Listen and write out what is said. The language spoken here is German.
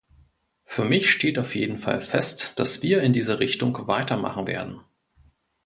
Für mich steht auf jeden Fall fest, dass wir in dieser Richtung weitermachen werden.